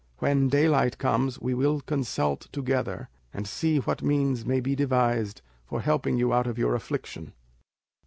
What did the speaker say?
When daylight comes we will consult together, and see what means may be devised for helping you out of your affliction."